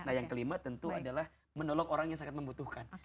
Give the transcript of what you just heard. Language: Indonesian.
nah yang kelima tentu adalah menolong orang yang sangat membutuhkan